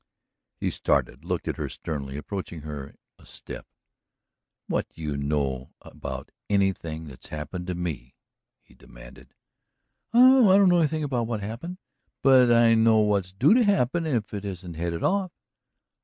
He started, looked at her sternly, approaching her a step. "What do you know about anything that's happened to me?" he demanded. "I don't know anything about what's happened, but I know what's due to happen if it isn't headed off."